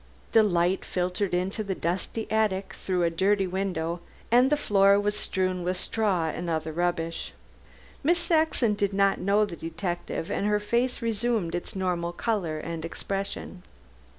The light filtered into the dusty attic through a dirty window, and the floor was strewn with straw and other rubbish. Miss Saxon did not know the detective and her face resumed its normal color and expression.